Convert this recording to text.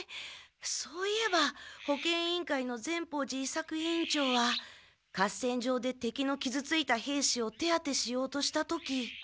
そういえば保健委員会の善法寺伊作委員長は合戦場で敵のきずついた兵士を手当てしようとした時。